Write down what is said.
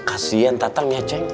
kasian tatang ya ceng